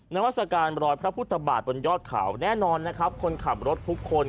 นวัสการร้อยพระพุทธบาทบนยอดเขาแน่นอนคนขับรถทุกคน